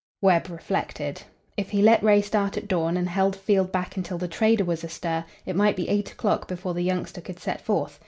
Webb reflected. If he let Ray start at dawn and held Field back until the trader was astir, it might be eight o'clock before the youngster could set forth.